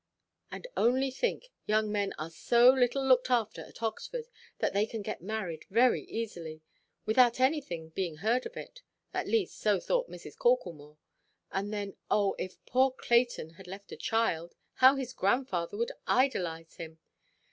And only think; young men are so little looked after at Oxford, that they can get married very easily, without anything being heard of it. At least, so thought Mrs. Corklemore. And then oh, if poor Clayton had left a child, how his grandfather would idolize him!